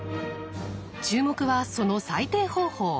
注目はその採点方法。